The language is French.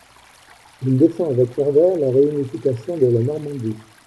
Il défend avec ferveur la réunification de la Normandie.